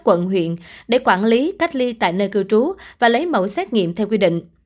quận huyện để quản lý cách ly tại nơi cư trú và lấy mẫu xét nghiệm theo quy định